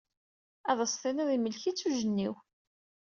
Ad as-tiniḍ yemlek-itt ujenniw.